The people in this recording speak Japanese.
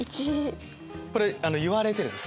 これ言われてですか？